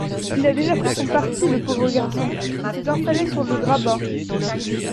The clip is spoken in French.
Il a déjà pris son parti le pauvre garçon ; il s'est installé sur le grabat.